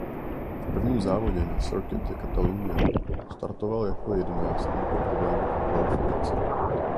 V prvním závodě na Circuit de Catalunya startoval jako jedenáctý po problémech v kvalifikaci.